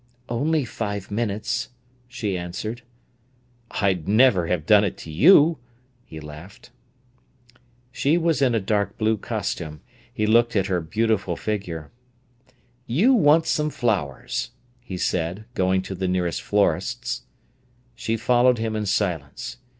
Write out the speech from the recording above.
"Only five minutes," she answered. "I'd never have done it to you," he laughed. She was in a dark blue costume. He looked at her beautiful figure. "You want some flowers," he said, going to the nearest florist's. She followed him in silence.